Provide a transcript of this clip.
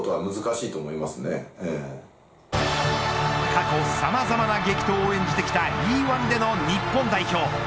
過去さまざまな激闘を演じてきたＥ‐１での日本代表。